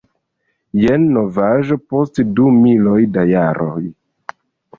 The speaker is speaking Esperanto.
Jen novaĵo post du miloj da jaroj.